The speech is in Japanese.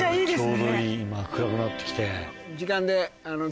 ちょうどいい今暗くなってきて。